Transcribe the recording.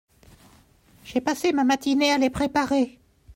J'ai passé ma matinée a les préparer …